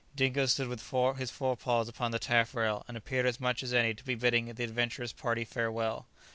Dingo stood with his fore paws upon the taffrail, and appeared as much as any to be bidding the adventurous party farewell.